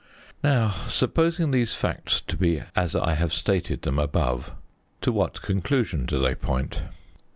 Now, supposing these facts to be as I have stated them above, to what conclusion do they point?